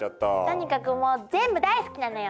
とにかくもう全部大好きなのよ！